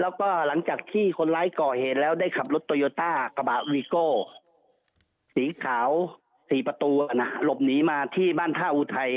แล้วก็หลังจากที่คนร้ายก่อเหตุแล้วได้ขับรถโตโยต้ากระบะวีโก้สีขาว๔ประตูหลบหนีมาที่บ้านท่าอุทัย